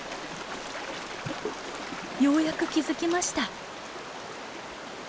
ようやく気付きました。